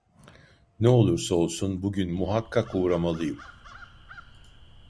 Ne olursa olsun, bugün muhakkak uğramalıyım.